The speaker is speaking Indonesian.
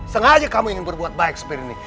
sengaja kamu ingin berbuat baik seperti ini